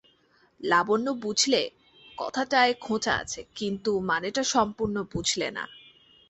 লাবণ্য বুঝলে, কথাটায় খোঁচা আছে, কিন্তু মানেটা সম্পূর্ণ বুঝলে না।